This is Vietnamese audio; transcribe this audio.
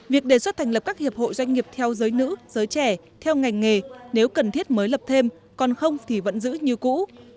việc đề xuất thành lập các hiệp hội doanh nghiệp theo giới nữ giới trẻ theo ngành nghề nếu cần thiết mới lập thêm còn không thì vẫn giữ như cũ